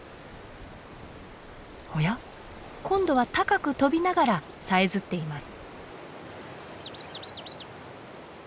おや今度は高く飛びながらさえずっています。